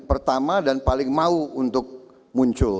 pertama dan paling mau untuk muncul